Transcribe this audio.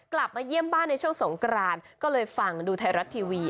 กลับมาเยี่ยมบ้านในช่วงสงกรานก็เลยฟังดูไทยรัฐทีวี